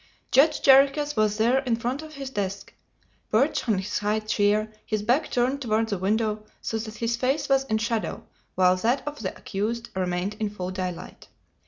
Judge Jarriquez was there in front of his desk, perched on his high chair, his back turned toward the window, so that his face was in shadow while that of the accused remained in full daylight.